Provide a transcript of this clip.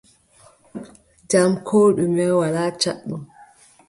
Jam koo ɗume, walaa caɗɗum.